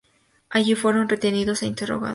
Allí fueron retenidos e interrogados.